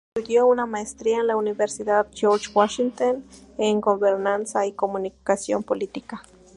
Estudió una Maestría en la Universidad George Washington en Gobernanza y Comunicación Política.